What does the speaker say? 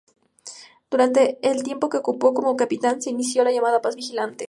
Durante el tiempo que ocupó como capitán, se inició la llamada Paz Vigilante.